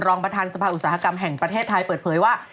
รองประธานสภาอุตสาหกรรมแห่งประเทศไทยเปิดเผยว่า